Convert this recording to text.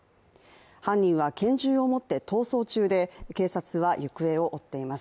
犯人は拳銃を持って逃走中で警察は行方を追っています。